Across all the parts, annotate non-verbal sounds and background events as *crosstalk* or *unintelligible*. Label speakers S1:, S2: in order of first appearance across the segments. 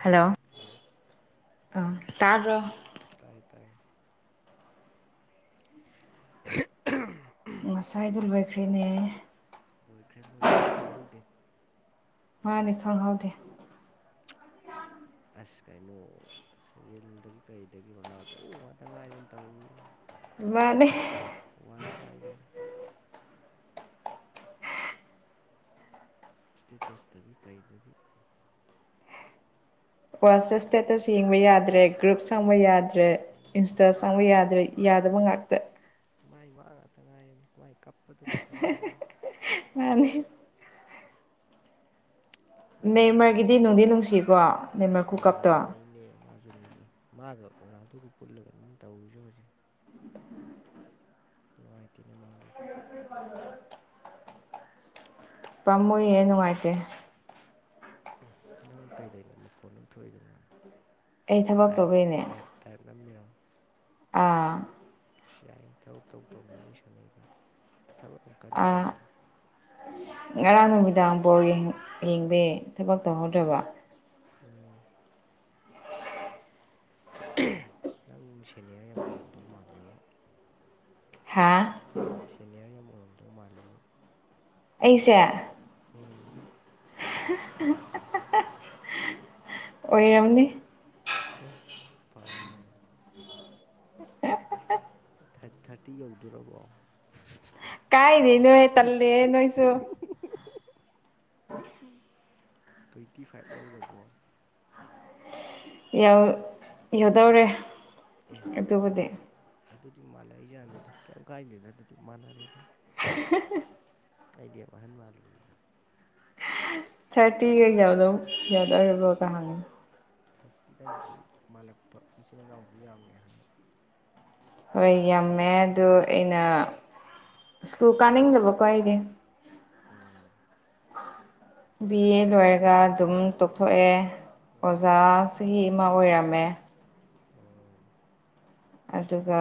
S1: Hello ꯍꯎ
S2: ꯑ ꯇꯕ꯭ꯔꯣ
S1: ꯇꯥꯏ ꯇꯥꯏ *unintelligible*
S2: ꯉꯁꯥꯏꯗꯨ ꯂꯣꯏꯈ꯭ꯔꯦꯅꯦ
S1: ꯂꯣꯏꯈ꯭ꯔꯦ ꯂꯣꯏꯈ꯭ꯔꯦ ꯈꯪꯍꯧꯗꯦ
S2: ꯃꯥꯅꯤ ꯈꯪꯍꯧꯗꯦ
S1: ꯑꯁ ꯀꯩꯅꯣ ꯁꯦ ꯔꯤꯜꯗꯒꯤ ꯀꯩꯗꯒꯤ ꯔꯣꯅꯥꯜꯗꯣ ꯉꯥꯛꯇ ꯉꯥꯏꯔꯦꯅ ꯇꯧꯏ
S2: ꯃꯥꯅꯦ
S1: ꯋꯥꯏ ꯆꯥꯏꯔꯦ ꯏꯁꯇꯦꯇꯁꯇꯒꯤ ꯀꯩꯗꯒꯤ
S2: ꯋꯥꯆꯩꯆꯞꯄ ꯏꯁꯇꯦꯇꯁ ꯌꯦꯡꯕ ꯌꯥꯗ꯭ꯔꯦ ꯒ꯭ꯔꯨꯞ ꯁꯪꯕ ꯌꯥꯗ꯭ꯔꯦ ꯏꯟꯁꯇꯥ ꯆꯪꯕ
S1: ꯃꯥꯒꯤ ꯃꯥ
S2: ꯌꯥꯗ꯭ꯔꯦ ꯌꯥꯗꯕ ꯉꯥꯛꯇ
S1: ꯃꯥꯏ ꯃꯉꯥꯛꯇ ꯉꯥꯏꯌꯦ ꯃꯥꯏ ꯀꯞꯄꯗꯣ ꯉꯥꯛꯇ ꯉꯥꯏꯌꯦ
S2: ꯃꯅꯤ
S1: ꯕꯦꯔꯥꯅꯦ
S2: ꯅꯦꯃꯔꯒꯤꯗꯤ
S1: ꯃꯣꯏ
S2: ꯅꯨꯡꯗꯤ ꯅꯨꯡꯁꯤꯀꯣ ꯅꯦꯝꯃꯔ ꯈꯨꯨꯀꯞꯇꯣ
S1: *unintelligible* ꯖꯨꯅꯤꯅꯤ ꯃꯥꯒ ꯔꯣꯅꯥꯜꯗꯨꯒ ꯄꯨꯜꯂꯒꯅꯤꯅ ꯇꯧꯔꯤꯁꯦ ꯍꯧꯖꯤꯛ ꯅꯨꯡꯉꯥꯏꯇꯦ ꯅꯦꯃꯔꯗꯁꯨ
S2: *unintelligible* ꯀꯃꯣꯏ ꯌꯦꯅꯨꯡꯉꯥꯏ
S1: ꯅꯪ ꯀꯩꯗꯅꯣ ꯃꯈꯣꯟ ꯑꯃ ꯊꯣꯛꯏꯗꯅꯪ
S2: ꯑꯩ ꯊꯕꯛ
S1: ꯇꯥꯏꯞ
S2: ꯇꯧꯕꯩꯅꯦ
S1: ꯇꯥꯏꯞ ꯇꯥꯞ ꯅꯨꯝꯃꯤꯔꯣ
S2: ꯑꯥ
S1: ꯌꯥꯏ ꯊꯕꯛ ꯇꯧ ꯇꯧꯅ ꯋꯥꯔꯤ ꯁꯥꯟꯅꯩꯕ ꯊꯕꯛ
S2: ꯑ
S1: ꯀꯟꯈ꯭ꯔꯦꯗ
S2: ꯉꯔꯥꯡ ꯅꯨꯃꯤꯗꯥꯡ ꯕꯣꯜ ꯌꯦꯡ ꯌꯦꯡꯕꯩ ꯊꯕꯛ
S1: ꯎꯝ
S2: ꯇꯧꯍꯧꯗ꯭ꯔꯕ
S1: ꯎꯝ ꯅꯪ ꯁꯦꯅꯤꯌꯔ ꯌꯥꯝ ꯑꯣꯏꯔꯝꯗꯧ ꯃꯥꯜꯂꯦꯕꯣ
S2: ꯍꯥꯥ
S1: ꯁꯦꯅꯤꯌꯔ ꯌꯥꯝ ꯑꯣꯏꯔꯝꯗꯧ ꯃꯥꯜꯂꯦꯕꯨ
S2: ꯑꯩꯁꯦ
S1: ꯎꯝ
S2: *unintelligible* ꯑꯣꯏꯔꯝꯅꯤ
S1: ꯑꯦ ꯐꯔꯦꯅꯦ ꯊꯥꯔ ꯊꯥꯔꯇꯤ ꯌꯧꯗꯔꯕꯣ
S2: ꯀꯥꯏꯗꯩꯩ ꯅꯣꯏ ꯇꯜꯂꯦ ꯅꯣꯏꯁꯨ
S1: ꯇ꯭ꯋꯦꯟꯇꯤ ꯐꯥꯏꯚ ꯌꯧꯔꯕꯣ
S2: ꯌꯧ ꯌꯧꯗꯧꯔꯦ
S1: ꯑꯦ
S2: ꯑꯗꯨꯕꯨꯗꯤ
S1: ꯑꯗꯨꯗꯤ ꯑꯗꯨꯗꯤ ꯃꯥꯟꯅꯏꯖꯅꯤꯗ ꯀꯩ ꯀꯥꯏꯗꯦꯗ ꯑꯗꯨꯗꯤ ꯃꯥꯟꯅꯔꯦꯗ
S2: *unintelligible*
S1: ꯑꯩꯗꯤ ꯌꯥꯝ ꯑꯍꯟ ꯃꯥꯜꯂꯨꯏꯅꯦ
S2: ꯊꯔꯇꯤ ꯍꯥꯏꯖꯤ ꯑꯗꯨꯝ ꯌꯥꯎꯗꯣꯔꯕꯣ ꯀꯥ ꯍꯪꯉꯤ
S1: ꯊꯥꯔꯇꯤꯗꯏ ꯁꯨꯝ ꯃꯥꯜꯂꯛꯄ ꯏꯆꯤꯟ ꯏꯅꯥꯎꯁꯨ ꯌꯥꯝꯃꯦ ꯍꯥꯏꯌꯦ
S2: ꯍꯣꯏ ꯌꯥꯝꯃꯦ ꯑꯗꯣ ꯑꯩꯅ
S1: ꯑꯗꯨꯒꯤ
S2: ꯁ꯭ꯀꯨꯜ ꯀꯥꯅꯤꯡꯗꯕꯀꯣ ꯑꯩꯗꯤ
S1: ꯎꯝ
S2: ꯕꯤ ꯑꯦ ꯂꯣꯏꯔꯒ ꯑꯗꯨꯝ ꯇꯣꯛꯊꯣꯛꯑꯦ ꯑꫭ ꯑꯣꯖꯥ
S1: ꯎꯝ
S2: ꯆꯍꯤ ꯑꯃꯃ ꯑꯣꯏꯔꯝꯃꯦ
S1: ꯎꯝ
S2: ꯑꯗꯨꯒ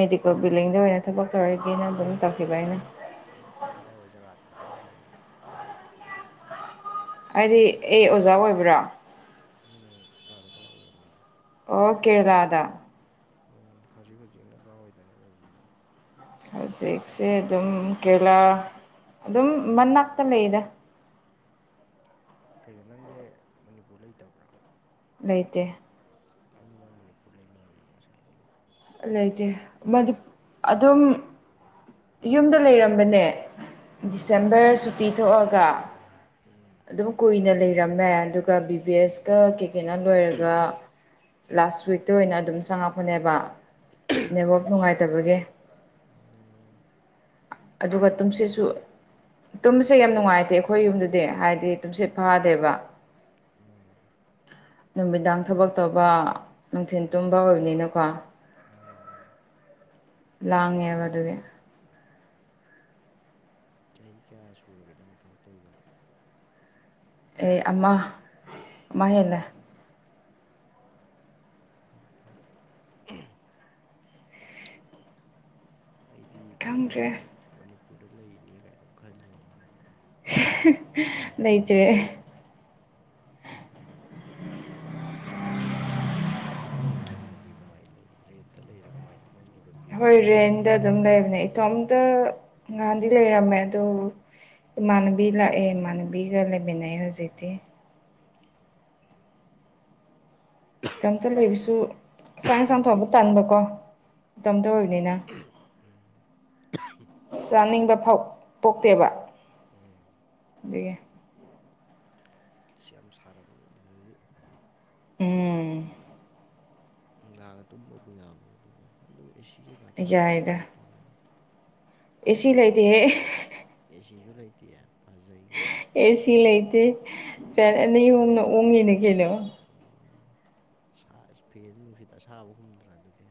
S2: ꯃꯦꯗꯤꯀꯣ ꯕꯤꯜꯗꯤꯡꯗ ꯑꯣꯏꯅ ꯊꯕꯛ ꯇꯧꯔꯒꯦꯅ ꯑꯗꯨꯝ ꯇꯧꯈꯤꯕ ꯑꯩꯅ
S1: ꯀꯗꯥꯏꯋꯥꯏ ꯖꯒꯥꯗꯅꯣ ꯇꯧꯔꯤꯁꯦ
S2: ꯍꯥꯏꯗꯤ ꯑꯩ ꯑꯣꯖꯥ ꯑꯣꯏꯕ꯭ꯔꯥ
S1: ꯎꯝ ꯑꫭꯖꯥꯗꯨ ꯀꯋꯥꯏ ꯑꯣꯏꯔꯝꯃꯤꯅꯣ
S2: ꯑꯣ ꯀꯦꯔꯂꯥꯗ
S1: ꯎꯝ ꯍꯧꯖꯤꯛ ꯍꯧꯖꯤꯛꯅ ꯀꯥꯋꯥꯏꯗꯅꯣ ꯑꯣꯏꯔꯤꯁꯤꯅ
S2: ꯍꯧꯖꯤꯛꯁꯦ ꯑꯗꯨꯝ ꯀꯦꯔꯂꯥ ꯑꯗꯨꯝ ꯃꯅꯥꯛꯇ ꯂꯩꯗ
S1: ꯀꯩꯅꯣ ꯅꯪꯁꯦ ꯃꯅꯤꯄꯨꯔ ꯂꯩꯇꯕ꯭ꯔꯥ
S2: ꯂꯩꯇꯦ
S1: ꯑꯩꯗꯤ ꯅꯪ ꯃꯅꯤꯄꯨꯔ ꯂꯩ ꯃꯥꯜꯂꯤꯅꯤ ꯉꯁꯥꯏꯗꯒꯤ
S2: ꯂꯩꯇꯦ ꯃꯅꯤꯄ ꯑꯗꯨꯝ ꯌꯨꯝꯗ ꯂꯩꯔꯝꯕꯅꯦ
S1: ꯎꯝ
S2: ꯗꯤꯁꯦꯝꯕꯔ ꯁꯨꯇꯤ ꯊꯣꯛꯑꯒ
S1: ꯎꯝ
S2: ꯑꯗꯨꯝ ꯀꯨꯏꯅ ꯂꯩꯔꯝꯃꯦ ꯑꯗꯨꯒ ꯕꯤ ꯕꯤ ꯑꯦꯁꯀ ꯀꯩꯀꯩꯅ ꯂꯣꯏꯔꯒ ꯂꯥꯁ ꯋꯤꯛꯇ ꯑꯣꯏꯅ ꯑꯗꯨꯝ ꯆꯪꯉꯛꯄꯅꯦꯕ ꯅꯦꯠꯋꯥꯛ ꯅꯨꯡꯉꯥꯏꯇꯕꯒꯤ
S1: ꯎꯝ
S2: ꯑꯗꯨꯒ ꯇꯨꯝꯁꯤꯁꯨ ꯇꯨꯝꯕꯁꯦ ꯌꯥꯝ ꯅꯨꯡꯉꯥꯏꯇꯦ ꯑꯩꯈꯣꯏ ꯌꯨꯝꯗꯗꯤ ꯍꯥꯏꯗꯤ ꯇꯨꯝꯁꯦꯠ ꯐꯗꯦꯕ
S1: ꯎꯝ
S2: ꯅꯨꯃꯤꯗꯥꯡ ꯊꯕꯛ ꯇꯧꯕ ꯅꯨꯡꯊꯤꯟꯜ ꯇꯨꯝꯕ ꯑꯣꯏꯕꯅꯤꯅꯀꯣ
S1: ꯃꯥꯅꯦ ꯃꯥꯅꯦ
S2: ꯂꯥꯡꯉꯦꯕ ꯑꯗꯨꯒꯤ
S1: ꯆꯍꯤ ꯀꯌꯥ ꯁꯨꯔꯒꯦ ꯅꯪ ꯊꯕꯛꯛꯇꯧꯔꯤꯗꯣ
S2: ꯆꯍꯤ ꯑꯃ ꯑꯃꯥ ꯍꯦꯟꯂꯦ
S1: ꯎꯝ ꯐꯩ ꯐꯩ ꯑꯩꯗꯤ ꯅꯪꯁꯦ ꯑ
S2: ꯈꯪꯗ꯭ꯔꯦ
S1: ꯃꯅꯤꯄꯨꯔꯗ ꯂꯩꯔꯤꯅꯦ ꯀꯥꯏꯅ ꯑꯗꯨꯝ ꯈꯜꯂꯤꯅꯦ
S2: *unintelligible* ꯂꯩꯇ꯭ꯔꯦ
S1: ꯅꯥꯊꯟꯗ ꯂꯩꯕꯔꯗꯨꯗꯗꯤ ꯀꯃꯥꯏ ꯂꯩ ꯔꯦꯟꯇ ꯂꯩꯔ ꯀꯃꯥꯏ ꯃꯣꯏꯅ ꯂꯩꯐꯝ ꯄꯤꯕ꯭ꯔꯣ
S2: ꯍꯣꯏ ꯔꯦꯟꯗ ꯑꯗꯨꯝ ꯂꯩꯕꯅꯦ ꯏꯇꯣꯝꯇ ꯉꯥꯟꯗꯤ ꯂꯩꯔꯝꯃꯦ ꯑꯗꯨ ꯏꯃꯥꯟꯅꯕꯤ ꯂꯥꯛꯑꯦ ꯏꯃꯥꯟꯅꯕꯤꯒ ꯂꯩꯃꯤꯟꯅꯩ ꯍꯧꯖꯤꯛꯇꯤ
S1: ꯎꯝ
S2: ꯢꯇꯣꯞꯇ ꯂꯩꯕꯁꯨ ꯆꯥꯡ ꯌꯦꯟꯁꯥꯡ ꯊꯣꯡꯝꯕ ꯇꯥꯟꯕꯀꯣ ꯃꯇꯣꯝꯇ ꯑꯣꯏꯕꯅꯤꯅ ꯆꯥꯅꯤꯡꯕ ꯐꯥꯎ ꯄꯣꯛꯇꯦꯕ
S1: ꯎꯝ
S2: *inaudible*
S1: ꯁꯤ ꯌꯥꯝ ꯁꯥꯔꯝꯃꯤ ꯑꯗꯨꯗꯗꯤ
S2: ꯎꯝ
S1: ꯅꯨꯗꯥꯡꯒ ꯇꯨꯝꯕꯕꯨ ꯌꯥꯕ꯭ꯔꯣ ꯑꯗꯨꯕꯨ ꯍꯣꯏ ꯑꯗꯨ ꯑꯦꯁꯤ ꯀꯩꯀꯥ ꯊꯥꯔꯨꯕꯨꯗꯤ ꯀꯩꯝ ꯇꯧꯔꯦꯅ
S2: ꯑꯦ ꯁꯤ ꯂꯩꯇꯦꯍꯦ
S1: ꯑꯦ ꯁꯤꯁꯨ ꯂꯩꯇꯦ ꯐꯖꯩꯅꯦ
S2: ꯑꯦ ꯁꯤ ꯂꯩꯇꯦ ꯐꯦꯟ ꯑꯅꯤꯍꯣꯝꯅ ꯑꯣꯡꯉꯤꯅ ꯀꯩꯅꯣ
S1: ꯎ ꯐꯦꯟ ꯅꯨꯡꯁꯤꯠ ꯑꯁꯥꯕ ꯍꯨꯝꯗ꯭ꯔꯥ ꯑꯗꯨꯗꯤ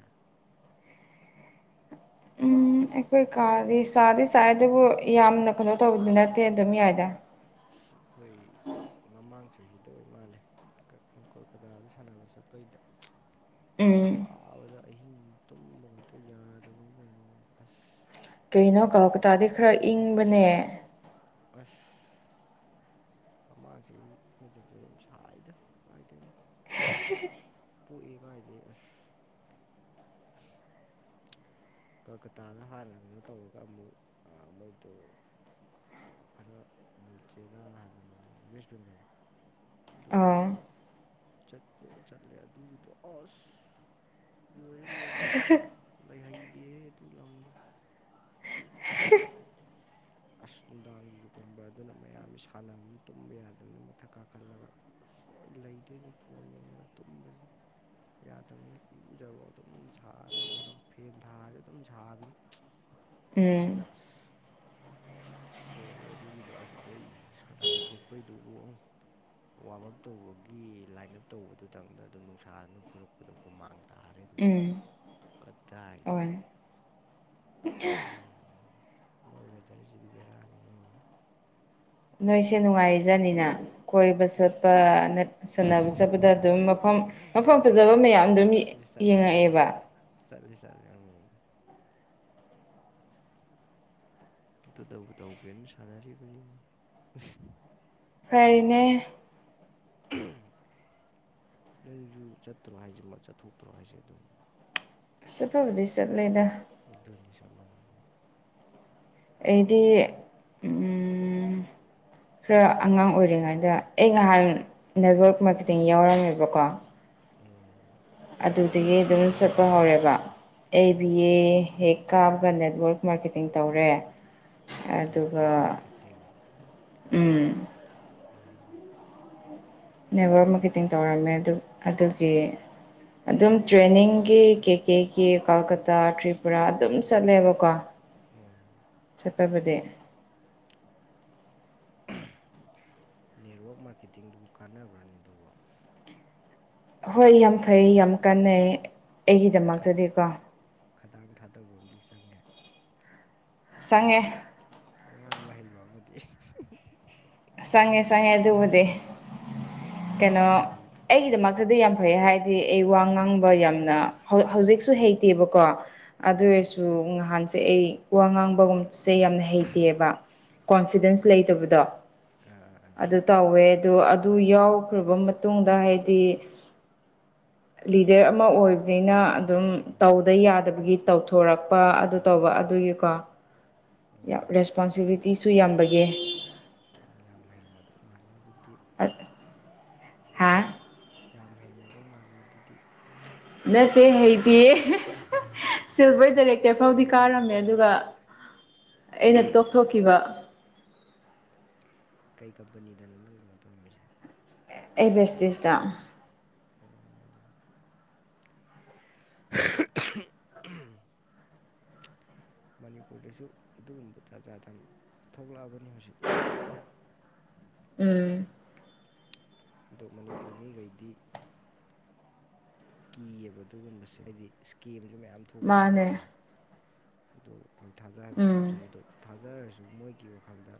S2: ꯎꯝ ꯑꯩꯈꯣꯏ ꯀꯥꯗꯤ ꯁꯥꯗꯤ ꯁꯥꯏ ꯑꯗꯨꯕꯨ ꯌꯥꯝꯅ ꯀꯩꯅꯣ ꯇꯧꯕꯗꯤ ꯅꯠꯇꯦ ꯑꯗꯨꯝ ꯌꯥꯏꯗ
S1: ꯑꯁ ꯑꯩꯈꯣꯏ ꯃꯃꯥꯡ ꯆꯍꯤꯗ ꯑꯣꯏ ꯃꯥꯜꯂꯦ ꯀꯩꯅꯣ ꯀꯣꯜꯀꯇꯥꯗ ꯁꯥꯟꯅꯕ ꯆꯠꯄꯩꯗ
S2: ꯎꯝ
S1: ꯁꯥꯕꯗ ꯑꯍꯤꯡ ꯇꯨꯝꯕ ꯑꯝꯇ ꯌꯥꯗꯕꯅꯤ ꯀꯩꯅꯣ ꯑꯁ
S2: ꯀꯩꯅꯣ ꯀꯜꯀꯇꯥꯗꯤ ꯈꯔ ꯏꯪꯕꯅꯦ
S1: ꯑꯁ ꯃꯃꯥꯡꯁꯤ ꯑꯩꯈꯣꯏ ꯆꯠꯄꯗ ꯗꯨꯝ ꯁꯥꯏꯗ ꯀꯥꯏꯗꯣꯏꯅꯣ ꯄꯣꯛꯏ ꯀꯥꯏꯗꯩ ꯑꯁ ꯀꯜꯀꯇꯥꯗ ꯍꯥꯟꯅꯀꯩꯅꯣ ꯇꯧꯔꯒ ꯑꯃꯨꯛ ꯃꯣꯏꯗꯣ ꯈꯔ ꯃꯨꯜꯆꯦꯔꯥ ꯍꯥꯏꯕ ꯃꯃꯤꯡ ꯋꯦꯁ ꯕꯦꯡꯒꯜ ꯑꯗꯣꯝꯗ
S2: ꯑꯥ
S1: ꯑꯃꯨꯛ ꯆꯠꯄ ꯆꯠꯂꯦ ꯑꯗꯨꯒꯤꯗꯣ ꯑꯁ ꯂꯣꯏꯔꯦ ꯂꯣꯏꯔꯦ ꯃꯥ ꯂꯩ ꯍꯩꯗꯦ ꯑꯗꯨ ꯂꯝꯗꯣ ꯑꯁ ꯅꯨꯡꯗꯥꯡꯒꯤꯖꯨ ꯈꯣꯡꯕ꯭ꯔꯥ ꯑꯗꯨꯅ ꯃꯌꯥꯝꯁꯤ ꯁꯥꯟꯅꯕꯅꯤꯅ ꯇꯨꯝꯕ ꯌꯥꯗꯕꯅꯤꯅ ꯃꯊꯛ ꯀꯥꯈꯠꯂꯒ ꯑꯁ ꯍ ꯂꯩꯗꯣꯏꯅꯦ ꯐꯣꯟ ꯌꯦꯡꯅꯔ ꯇꯨꯝꯕꯁꯦ ꯌꯥꯗꯕꯅꯤ ꯏꯔꯨꯖꯔꯔꯕ ꯑꯗꯨꯝ ꯁꯥꯔ ꯂꯩꯗꯣꯏꯅꯤ ꯐꯦꯟ ꯊꯥꯔꯁꯨ ꯑꯗꯨꯝ ꯁꯥꯕꯅꯤ
S2: *inaudible*
S1: ꯑꯗꯨꯅ ꯂꯣꯏꯔꯦ ꯑꯗꯨꯒꯤꯗꯣ ꯑꯗꯨꯗꯩ ꯁꯥꯟꯅꯕ ꯊꯣꯛꯄꯩꯗꯨꯕꯨ ꯑꯃ ꯋꯥꯔꯝ ꯑꯞ ꯇꯧꯕꯒꯤ ꯂꯥꯏꯟ ꯑꯞ ꯇꯧꯕꯗꯨꯗꯪꯗ ꯑꯗꯨꯣ ꯅꯨꯡꯁꯥꯗꯨꯅ ꯐꯨꯔꯛꯄꯗ ꯍꯨ ꯃꯥꯡꯈꯤ ꯇꯥꯔꯦ ꯑꯗꯨꯝ
S2: ꯎꯝ
S1: ꯀꯗꯥ ꯍꯥꯏꯗꯗꯤ
S2: ꯏꯅ
S1: ꯃꯣꯏ ꯋꯦꯗꯔꯁꯤꯗꯤ ꯕꯦꯔꯥꯅꯤ ꯃꯣꯏ
S2: ꯅꯣꯏꯁꯦ ꯅꯨꯡꯉꯥꯏꯔꯤꯖꯥꯅꯤꯅ ꯀꯣꯏꯕ ꯆꯠꯄ ꯁꯥꯟꯅꯕ ꯆꯠꯄꯗ ꯑꯗꯨꯝ ꯃꯐꯝ ꯃꯐꯝ ꯐꯖꯕ ꯃꯌꯥꯝ ꯑꯗꯨꯝ
S1: ꯆꯠꯂꯦ ꯆꯠꯂꯦ ꯆꯠꯂꯦ
S2: ꯌꯦꯡꯉꯛꯑꯦꯕ
S1: ꯆꯠꯂꯦ ꯆꯠꯂꯦ ꯎꯝ ꯇꯕꯨ ꯇꯧꯒꯦꯅ ꯁꯥꯟꯅꯔꯤꯕꯅꯤꯅꯦ
S2: ꯐꯔꯤꯅꯦ
S1: ꯅꯪꯁꯨ ꯆꯠꯇ꯭ꯔꯣ ꯍꯥꯏꯁꯦ ꯆꯠꯊꯣꯛꯇ꯭ꯔꯣ ꯍꯥꯏꯁꯦ ꯑꯗꯨꯝ
S2: ꯁꯐꯕꯨꯗꯤ ꯆꯠꯂꯦꯗ
S1: ꯗꯅꯤꯁ ꯃꯥꯟꯒ
S2: ꯑꯩꯗꯤ ꯈꯔ ꯑꯉꯥꯡ ꯑꯣꯏꯔꯤꯉꯩꯗ ꯑꯩ ꯉꯍꯥꯟ ꯅꯦꯠꯋꯔꯛ ꯃꯥꯔꯀꯦꯇꯤꯡ ꯌꯥꯎꯔꯝꯃꯦꯕꯀꯣ
S1: ꯎꯝ
S2: ꯑꯗꯨꯗꯒꯤ ꯑꯗꯨꯝ ꯆꯠꯄ ꯍꯧꯔꯦꯕ ꯑꯦ ꯕꯤ
S1: ꯎꯝ
S2: ꯑꯦ ꯍꯦꯛ ꯀꯥꯕꯒ ꯅꯦꯠꯋꯥꯔꯛ ꯃꯥꯔꯀꯦꯇꯤꯡ ꯇꯧꯔꯦ ꯑꯗꯨꯒ
S1: ꯅꯦꯠꯋꯥꯛ ꯃꯥꯔꯀꯦꯇꯤꯡ
S2: ꯎꯝ
S1: ꯎꯝ
S2: ꯅꯦꯕꯔ ꯑꯃ ꯈꯤꯇꯤꯡ ꯇꯧꯔꯝꯃꯦ ꯑꯗꯨ ꯑꯗꯨꯒꯤ ꯑꯗꯨꯝ ꯇ꯭ꯔꯦꯅꯤꯡꯒꯤ ꯀꯦ ꯀꯦꯒꯤ ꯀꯜꯀꯇꯥ ꯇ꯭ꯔꯤꯄꯨꯔꯥ ꯑꯗꯨꯝ ꯆꯠꯂꯦꯕꯀꯣ
S1: ꯎꯝ
S2: ꯆꯠꯄꯕꯗꯤ
S1: ꯅꯦꯠꯋꯥꯛ ꯃꯥꯔꯀꯦꯇꯤꯡꯗꯨꯕꯨ ꯀꯥꯟꯅꯕ꯭ꯔꯅꯤ ꯑꯗꯨꯕꯨ
S2: ꯍꯣꯏ ꯌꯥꯝ ꯐꯩ ꯌꯥꯝ ꯀꯥꯟꯅꯩ ꯑꯩꯒꯤꯗꯃꯛꯇꯗꯤꯀꯣ
S1: ꯈꯗꯥꯡ ꯊꯥꯗꯕ ꯑꯃꯗꯤꯝ ꯆꯪꯉꯦ
S2: ꯆꯉꯦ
S1: ꯉ ꯉꯥꯡꯕ ꯍꯩꯕ ꯑꯃꯗꯤ
S2: ꯆꯪꯉꯦ ꯆꯪꯉꯦ ꯑꯗꯨꯕꯨꯗꯤ
S1: ꯑ
S2: ꯀꯩꯅꯣ ꯑꯩꯒꯤꯗꯃꯛꯇꯗꯤ ꯌꯥꯝ ꯐꯩ ꯍꯥꯏꯗꯤ ꯍꯥꯏꯗꯤ ꯑꯩ ꯋꯥ ꯉꯥꯡꯕ ꯌꯥꯝꯅ ꯍꯧꯖꯤꯛꯁꯨ ꯍꯩꯇꯦꯕꯀꯣ ꯑꯗꯨ
S1: ꯑꯥ
S2: ꯑꯣꯏꯔꯁꯨ ꯅꯍꯥꯟꯁꯦ ꯑꯩ ꯋꯥ ꯉꯥꯡꯕꯒꯨꯝꯁꯦ ꯌꯥꯝꯅ ꯍꯩꯇꯦꯕ ꯀꯣꯟꯐꯤꯗꯦꯟꯁ ꯂꯩꯇꯕꯗꯣ
S1: ꯎꯝ ꯎꯝ
S2: ꯑꯗꯨ ꯇꯧꯋꯦ ꯑꯗꯣ ꯑꯗꯨ ꯌꯥꯎ ꯂꯈꯔꯕ ꯃꯇꯨꯡꯗ ꯍꯥꯏꯗꯤ ꯂꯤꯗꯔ ꯑꯃ ꯑꯣꯏ ꯑꯩꯅ ꯑꯗꯨꯝ
S1: ꯎꯝ
S2: ꯇꯧꯗ ꯌꯥꯗꯕꯒꯤ ꯇꯧꯊꯣꯔꯛꯄ ꯑꯗꯨ ꯇꯧꯕ
S1: ꯎꯝ
S2: ꯑꯗꯨꯒꯤꯀꯣ
S1: ꯎꯝ
S2: ꯔꯦꯁꯄꯣꯟꯁꯤꯕꯤꯂꯤꯇꯤꯁꯨ ꯌꯥꯝꯕꯒꯦ
S1: ꯁꯤ ꯅꯪ ꯌꯥꯝ ꯍꯩꯔꯝꯃꯗꯧ ꯃꯥꯜꯂꯦ ꯑꯗꯨꯗꯤ
S2: ꯍꯥꯥ
S1: ꯌꯥꯝ ꯍꯩꯔꯝꯃꯗꯧ ꯃꯥꯜꯂꯦ ꯑꯗꯨꯗꯤ
S2: ꯅꯠꯇꯦ ꯍꯥꯏꯗꯤ ꯁꯤꯜꯚꯔ
S1: ꯏꯁ ꯏꯁ
S2: ꯗꯥꯏꯔꯦꯛꯇꯔ ꯐꯥꯎꯗꯤ
S1: ꯈꯪꯉꯦ ꯈꯪꯉꯦ
S2: ꯀꯥꯔꯝꯃꯦ
S1: ꯈꯪꯉꯦ
S2: ꯑꯗꯨꯒ ꯑꯩꯅ ꯇꯣꯛꯊꯣꯛꯈꯤꯕ
S1: ꯀꯩ ꯀꯝꯄꯅꯤꯗꯅꯣ ꯅꯪ ꯀꯩꯅꯣ ꯇꯧꯔꯝꯃꯤꯁꯦ
S2: ꯑꯦꯕꯦꯁꯇꯤꯁꯇ
S1: ꯎꯝ ꯎꯝ ꯃꯅꯤꯄꯨꯔꯗꯁꯨ ꯑꯗꯨꯒꯨꯝꯕ ꯖꯥꯠ ꯖꯥꯠ ꯌꯥꯝ ꯊꯣꯛꯂꯛꯑꯕꯅꯤ ꯍꯧꯖꯤꯛ
S2: ꯎꯝ
S1: ꯑꯗꯣ ꯃꯅꯤꯄꯨꯔ ꯃꯤꯈꯩꯗꯤ ꯀꯤꯑꯕ ꯑꯗꯨꯒꯨꯝꯕꯁꯦ ꯍꯥꯏꯗꯤ ꯏꯁꯀꯦꯝꯁꯨ ꯃꯌꯥꯝ
S2: ꯃꯥꯅꯦ
S1: ꯊꯣꯛꯄꯅꯤꯅꯀꯣ ꯑꯗꯨ ꯊꯥꯖꯍꯟꯕ ꯑꯃ
S2: ꯎꯝ
S1: ꯆꯪꯉꯦ ꯑꯗꯨ ꯊꯥꯖꯔꯁꯨ ꯃꯣꯏꯒꯤ ꯋꯥꯈꯜꯗ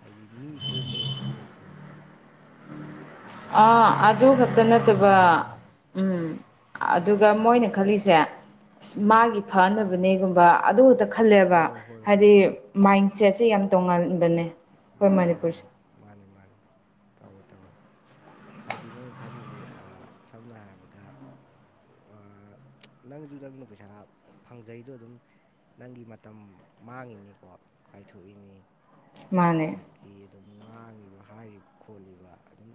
S1: ꯍꯥꯏꯗꯤ ꯃꯤ ꯈꯣꯝꯕꯒꯤ ꯋꯥꯈꯜꯗ ꯑꯣꯏꯅ ꯈꯟꯕꯗꯣ
S2: ꯑ
S1: ꯑꯗꯨꯃꯥꯏꯅ ꯍꯦꯛꯇ
S2: ꯑꯗꯨ ꯈꯛꯇ
S1: ꯈꯟꯕꯅꯦꯕ
S2: ꯅꯠꯇ ꯑꯗꯨꯒ ꯎꯝ ꯑꯗꯨꯒ ꯃꯣꯏꯅ ꯈꯜꯂꯤꯁꯦ ꯏꯁ ꯃꯥꯒꯤ
S1: ꯎꯝ
S2: ꯐꯅꯕꯅꯦꯒꯨꯝꯕ ꯑꯗꯨꯇ ꯈꯜꯂꯦꯕ
S1: ꯍꯣꯏ ꯍꯣꯏ
S2: ꯍꯥꯏꯗꯤ
S1: ꯍꯣꯏ ꯍꯣꯏ
S2: ꯃꯥꯏꯟꯁꯦꯠꯁꯦ ꯌꯥꯝ
S1: ꯍꯣꯏ
S2: ꯇꯣꯉꯥꯟꯕꯅꯦ ꯑꯩꯈꯣꯏ
S1: ꯃꯥꯅꯤ
S2: ꯃꯅꯤꯄꯨꯔꯁꯦ
S1: ꯃꯥꯅꯤ ꯃꯥꯅꯤ ꯃꯥꯅꯤ ꯇꯧꯏ ꯇꯧꯋꯏ ꯍꯥꯏꯗꯤ ꯃꯣꯏꯅ ꯈꯜꯂꯤꯁꯦ ꯑꯥ ꯁꯝꯅ ꯍꯥꯏꯔꯕꯗ ꯅꯪꯁꯨ ꯅꯪꯅ ꯄꯩꯁꯥ ꯐꯪꯖꯩꯗꯣ ꯑꯗꯨꯝ ꯅꯪꯒꯤ ꯃꯇꯝ ꯃꯥꯡꯉꯤꯅꯤꯀꯣ ꯀꯥꯏꯊꯣꯛꯏꯅꯤ
S2: ꯃꯥꯅꯦ
S1: ꯑꯗꯒꯤ ꯑꯗꯨꯝ ꯉꯥꯡꯉꯤꯕ ꯍꯥꯏꯔꯤꯕ ꯈꯣꯠꯂꯤꯕ ꯑꯗꯨꯝ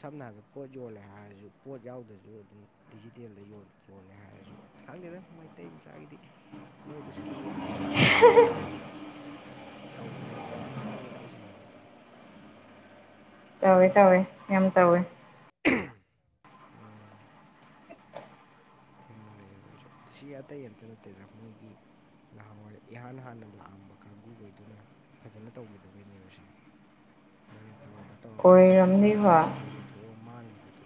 S1: ꯁꯝꯅ ꯍꯥꯏꯔꯕꯗ ꯄꯣꯠ ꯌꯣꯜꯂꯦ ꯍꯥꯏꯔꯁꯨ ꯄꯣꯠ ꯌꯥꯎꯗ꯭ꯔꯁꯨ ꯑꯗꯨꯝ ꯗꯤꯖꯤꯇꯦꯜꯗ ꯌꯣꯜꯂꯦ ꯍꯥꯏꯔꯁꯨ ꯈꯪꯗꯦꯗ ꯃꯩꯇꯩ ꯃꯆꯥꯒꯤꯗꯤ ꯅꯣꯏꯗꯨꯁꯨ ꯒꯦꯝꯅꯤ ꯑꯗꯨꯅꯤ ꯑꯗꯥꯅꯤ ꯇꯧꯕꯅꯤ ꯑꯗꯨꯃꯥꯏꯅ ꯈꯪꯉꯦꯗ ꯑꯩꯁꯨ ꯂꯣꯏꯅ ꯑꯗꯨꯗꯤ
S2: ꯇꯧꯋꯦ ꯇꯧꯋꯦ ꯌꯥꯝ ꯇꯧꯋꯦ
S1: ꯎꯝ ꯊꯦꯡꯅꯔꯛꯑꯦꯕ ꯑꯩꯁꯨ ꯁꯤ ꯑꯇꯩ ꯑꯝꯇ ꯅꯠꯇꯦꯗ ꯃꯣꯏꯒꯤ꯫ ꯅꯍꯥꯟꯋꯥꯏ ꯏꯍꯥꯟ ꯍꯥꯟꯅ ꯂꯥꯛꯑꯝꯕ ꯀꯥꯡꯒꯨꯈꯩꯗꯨꯅ ꯐꯖꯅ ꯇꯧꯒꯤꯗꯕꯩꯅꯦꯕꯁꯦ꯫ ꯃꯣꯏꯅ ꯇꯧꯔꯝꯃ ꯇꯧꯔꯝꯃꯒ
S2: ꯑꯣꯏꯔꯝꯅꯤ
S1: ꯄꯩꯁꯥ
S2: ꯍꯣꯏ
S1: ꯂꯧꯊꯣꯛꯑ ꯂꯧꯊꯣꯛꯑ ꯃꯥꯡꯈꯤꯕꯗꯣ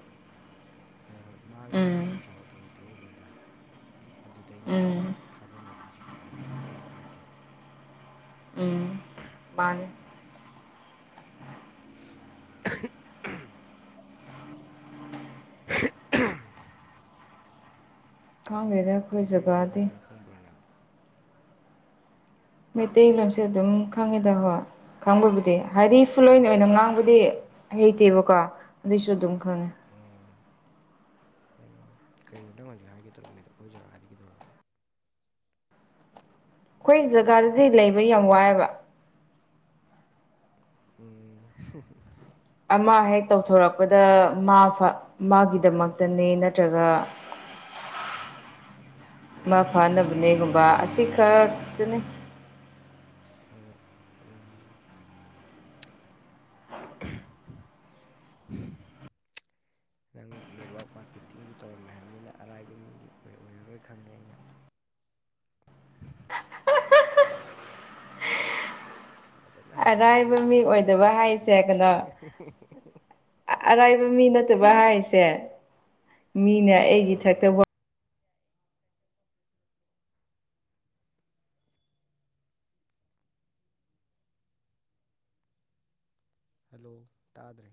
S1: ꯍꯣꯏ ꯍꯣꯏ ꯃꯥꯡꯈꯤꯕꯗꯣ
S2: ꯎꯝ
S1: ꯄꯩꯁꯥ ꯂꯧꯊꯣꯛ ꯇꯣꯛꯎꯅꯨꯗ ꯑꯗꯨꯗꯩꯩꯅꯦꯕ
S2: ꯎꯝ
S1: ꯃꯤꯅ ꯊꯥꯖꯅꯗ꯭ꯔꯤꯁꯦ ꯀꯤꯟꯅꯩꯁꯦ ꯑꯇꯩ ꯑꯝꯇ ꯅꯠꯇꯦꯕ꯫
S2: ꯎꯝ ꯃꯥꯅꯦ꯫
S1: *inaudible* *unintelligible*
S2: ꯈꯪꯗꯦꯗ꯫ ꯑꯩꯈꯣꯏ
S1: ꯃꯩꯇꯩꯂꯣꯟꯗꯤ
S2: ꯖꯒꯥꯗꯤ
S1: ꯐꯖꯅ ꯈꯪꯕ꯭ꯔꯥ ꯅꯪ
S2: ꯃꯩꯇꯩꯂꯣꯟꯁꯦ ꯑꯗꯨꯝ ꯈꯪꯉꯦꯗ ꯍꯣꯏ ꯈꯪꯕꯕꯨꯗꯤ ꯍꯥꯏꯗꯤ ꯐꯨꯜ ꯑꯣꯏꯅ
S1: ꯎꯝ
S2: ꯉꯥꯡꯕꯗꯤ꯫ ꯍꯩꯇꯦꯕꯀꯣ ꯑꯗꯨꯏꯁꯨ ꯑꯗꯨꯝ ꯈꯪꯉꯦ꯫
S1: ꯎꯝ ꯎꯝ ꯀꯩꯅꯣ ꯅꯪ ꯍꯧꯖꯤꯛ ꯍꯥꯏꯒꯦꯗꯧꯔꯝꯃꯤꯗꯣ ꯑꯩꯈꯣꯏ ꯖꯒꯥꯒꯤꯗꯨꯔꯣ꯫
S2: ꯑꯩꯈꯣꯏ ꯖꯒꯥꯗꯗꯤ ꯂꯩꯕ ꯌꯥꯝ ꯋꯥꯏꯑꯦꯕ꯫
S1: ꯎꯝ
S2: ꯑꯃ ꯍꯦꯛ ꯇꯧꯊꯣꯔꯛꯄꯗ ꯃꯥ ꯃꯥꯒꯤꯗꯃꯛꯇꯅꯤ ꯅꯠꯇ꯭ꯔꯒ ꯃꯥ ꯐꯥꯅꯕꯅꯦꯒꯨꯝꯕ ꯑꯁꯤꯈꯛꯇꯅꯤ꯫
S1: ꯎꯝ ꯎꯝ
S2: *inaudible*
S1: ꯅꯪ ꯅꯦꯠꯋꯥꯛ ꯃꯥꯔꯀꯦꯇꯤꯡꯁꯨ ꯇꯧꯔꯝꯃꯦ ꯍꯥꯏꯕꯅꯤꯅ ꯑꯔꯥꯏꯕ ꯃꯤꯗꯤ ꯑꯣꯏꯔꯔꯣꯏ ꯈꯪꯉꯦ ꯑꯩꯅ ꯐꯖꯅ
S2: ꯑꯔꯥꯏꯕ
S1: ꯍꯩꯔꯝꯃꯅꯤꯕ
S2: ꯃꯤ
S1: ꯉꯥꯡꯕ
S2: ꯑꯣꯏꯗꯕ
S1: ꯈꯣꯠꯄꯗꯤ꯫
S2: ꯍꯥꯏꯁꯦ ꯀꯩꯅꯣ ꯑꯔꯥꯏꯕ ꯃꯤ ꯅꯠꯇꯕ ꯍꯥꯏꯁꯦ ꯃꯤꯅ ꯑꯩꯒꯤ
S1: ꯑꯥ
S2: ꯊꯛꯇ ꯋꯥ
S1: ꯍꯜꯂꯣ ꯇꯥꯗ꯭ꯔꯦ꯫